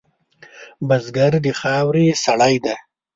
بزګر د خاورې سړی دی